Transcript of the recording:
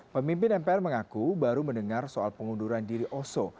pemimpin mpr mengaku baru mendengar soal pengunduran diri oso